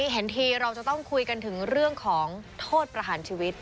เห็นทีเราจะต้องคุยกันถึงเรื่องของโทษประหารชีวิต